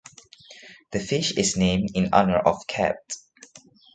The fish is named in honor of Capt.